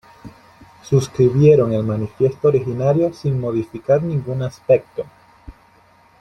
Suscribieron el manifiesto originario sin modificar ningún aspecto.